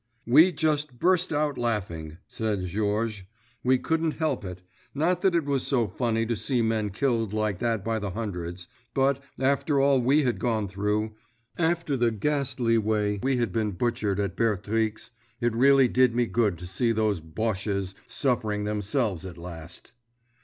"We just burst out laughing," said Georges. "We couldn't help it. Not that it was so funny to see men killed like that by the hundreds, but, after all we had gone through—after the ghastly way we had been butchered at Bertrix, it really did me good to see those 'Bosches' suffering themselves at last!"